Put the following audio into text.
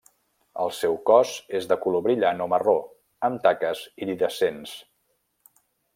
El seu cos és de color brillant o marró amb taques iridescents.